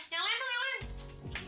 yang lain kan yang lain